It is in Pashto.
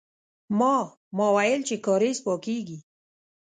ما، ما ويل چې کارېز پاکيږي.